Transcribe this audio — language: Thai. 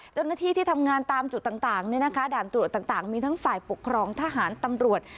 เจ้าหน้าที่ที่ทำงานตามจุดต่างด่านตรวจต่างมีทั้งฝ่ายปกครองทหารตำรวจ